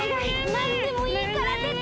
なんでもいいからでて！